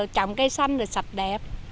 trọng cây xanh sạch đẹp